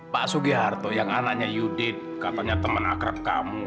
pak sugiharto yang anaknya yudit katanya teman akrab kamu